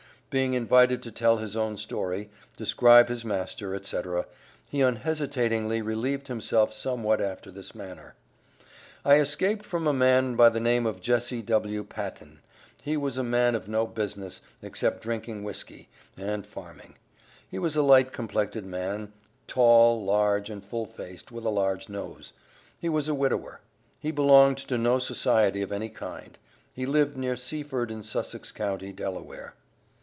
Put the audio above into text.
Being invited to tell his own story, describe his master, etc., he unhesitatingly relieved himself somewhat after this manner; "I escaped from a man by the name of Jesse W. Paten; he was a man of no business, except drinking whiskey, and farming. He was a light complected man, tall large, and full faced, with a large nose. He was a widower. He belonged to no society of any kind. He lived near Seaford, in Sussex county, Delaware."